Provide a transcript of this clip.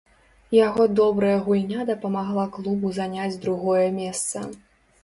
Яго добрая гульня дапамагла клубу заняць другое месца.